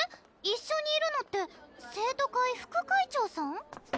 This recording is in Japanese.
一緒にいるのって生徒会副会長さん？